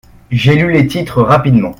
J’ai lu les titres rapidement.